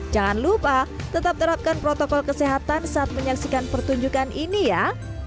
jangan lupa tetap terapkan protokol kesehatan saat menyaksikan pertunjukan ini ya